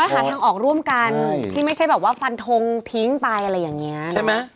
หาทางออกร่วมกันที่ไม่ใช่แบบว่าฟันทงทิ้งไปอะไรอย่างนี้ใช่ไหม